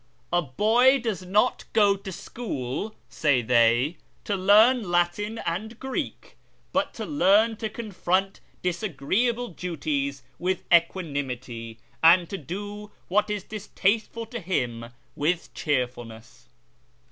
" A boy does not go to scliool," say they, " to learn Latin and Greek, but to learn to confront disagreeable duties with equanimity, and to do what is distasteful to him with cheerfulness."